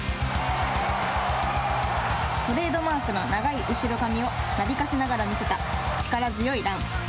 トレードマークの長い後ろ髪をなびかせながら見せた力強いラン。